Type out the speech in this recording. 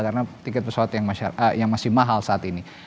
karena tiket pesawat yang masih mahal saat ini